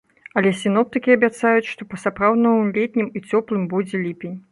Але сіноптыкі абяцаюць, што па-сапраўднаму летнім і цёплым будзе ліпень.